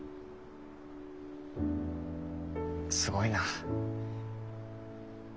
すごいな。